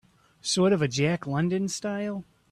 Sort of a Jack London style?